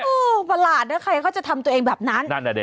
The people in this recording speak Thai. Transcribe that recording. อุ้ยประหลาดนะใครก็จะทำตัวเองแบบนั้นนั่นอ่ะเนี่ย